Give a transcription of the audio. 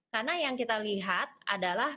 karena yang kita lihat adalah